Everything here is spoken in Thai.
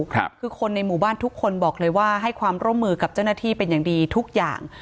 คือคนในหมู่บ้านทุกคนบอกเลยว่าให้ความร่วมมือกับเจ้าหน้าที่เป็นอย่างดีทุกอย่าง